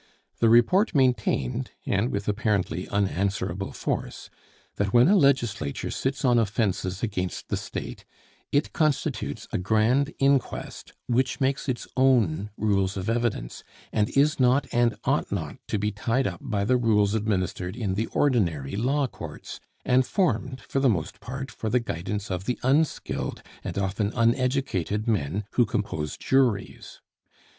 The report maintained, and with apparently unanswerable force, that when a legislature sits on offenses against the State, it constitutes a grand inquest which makes its own rules of evidence; and is not and ought not to be tied up by the rules administered in the ordinary law courts, and formed for the most part for the guidance of the unskilled and often uneducated men who compose juries.